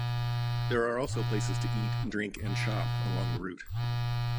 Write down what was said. There are also places to eat, drink, and shop along the route.